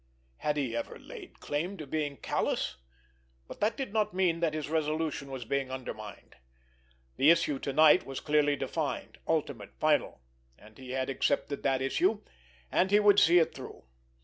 Had he ever laid claim to being callous? But that did not mean that his resolution was being undermined. The issue to night was clearly defined, ultimate, final, and he had accepted that issue, and he would see it through.